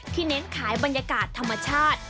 เน้นขายบรรยากาศธรรมชาติ